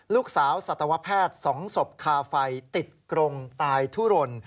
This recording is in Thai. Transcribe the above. ลูกสาวสัตวแพทย์๒ศพคาไฟติดกรงตายทุรน